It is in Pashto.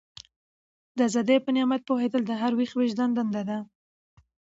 د ازادۍ په نعمت پوهېدل د هر ویښ وجدان دنده ده.